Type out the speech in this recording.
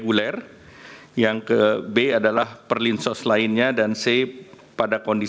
ini juga diberlakukan januari dua ribu dua puluh empat